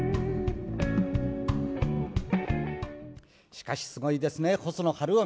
しかしすごいですね細野晴臣。